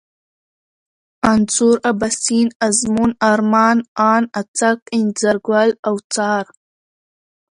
انځور ، اباسين ، ازمون ، ارمان ، اند، اڅک ، انځرگل ، اوڅار